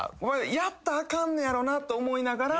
やったらあかんのやろなと思いながら。